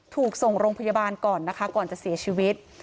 ถูกส่งโรงพยาบาลก่อนนะคะก่อนจะเสียชีวิต